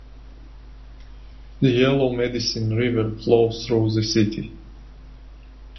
The Yellow Medicine River flows through the city.